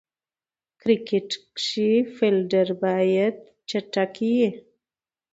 کرکټ کښي فېلډر باید چټک يي.